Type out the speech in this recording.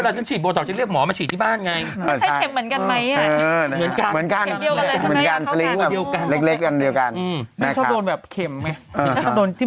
กูชื่อฉานไง